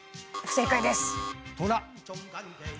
正解です。